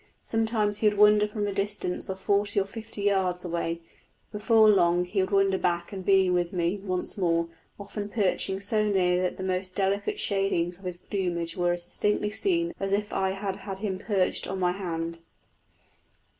Sometimes he would wander for a distance of forty or fifty yards away, but before long he would wander back and be with me once more, often perching so near that the most delicate shadings of his plumage were as distinctly seen as if I had had him perched on my hand.